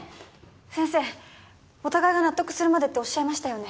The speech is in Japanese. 先生お互いが納得するまでっておっしゃいましたよね？